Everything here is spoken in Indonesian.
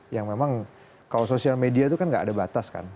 yang memang kalau sosial media itu kan gak ada batas kan